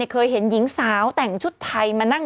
เคยเห็นหญิงสาวแต่งชุดไทยมานั่ง